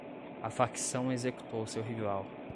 A facção executou seu rival